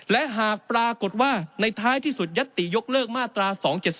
และหากปรากฏว่าในท้ายที่สุดยัตติยกเลิกมาตรา๒๗๒